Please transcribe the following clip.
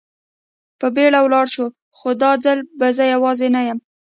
په بېړه ولاړ شو، خو دا ځل به زه یوازې نه یم.